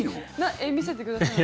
見せてください。